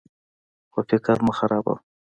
خو فکر مه خرابوه.